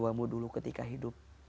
dia akan mengurusmu dulu ketika hidup